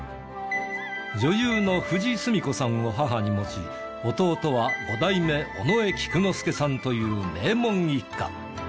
女優の富司純子さんを母に持ち弟は五代目尾上菊之助さんという名門一家。